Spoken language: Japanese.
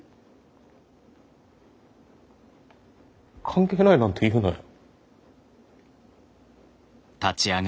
関係ないなんて言うなよ。